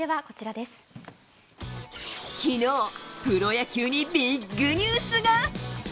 昨日、プロ野球にビッグニュースが。